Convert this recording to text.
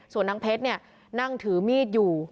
ส่วนนางเพชรนั่งถือมีดอยู่